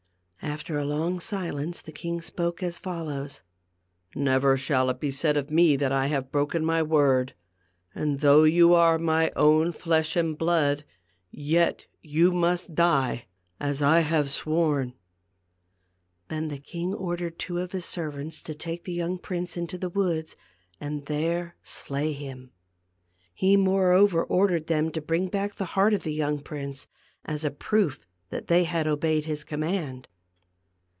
After a long silence the king spoke as follows :" Never shall it be said of me that I have broken my word; and though you are my own flesh and blood, yet you must die, as I have sworn." Then the king ordered two of his servants to take the young prince into the woods and there slay him. He moreover ordered them to bring back the heart of the young prince, as a proof that they had obeyed his command.